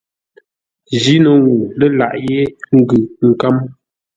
Jíno ŋuu lə́ laghʼ yé ngʉ nkə̌m.